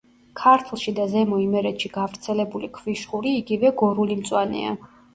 ქართლში და ზემო იმერეთში გავრცელებული ქვიშხური იგივე გორული მწვანეა.